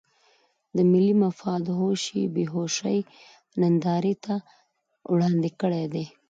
د ملي مفاد هوش یې بې هوشۍ نندارې ته وړاندې کړی دی.